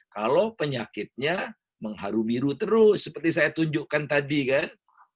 kalau penyakitnya mengharu biru terus seperti saya tunjukkan tadi kan